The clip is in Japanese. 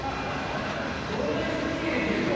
こんなにすっきりできるとは。